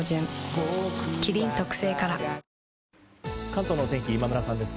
関東の天気今村さんです。